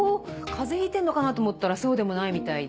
風邪ひいてんのかなと思ったらそうでもないみたいで。